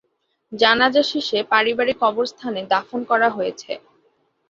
জানাজা শেষে পারিবারিক কবরস্থানে দাফন করা হয়েছে।